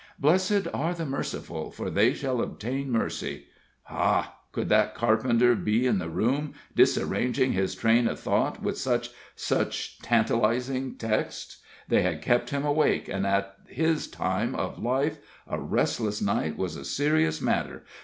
"Blessed are the merciful, for they shall obtain mercy." Hah! Could that carpenter be in the room, disarranging his train of thought with such such tantalizing texts! They had kept him awake, and at his time of life a restless night was a serious matter.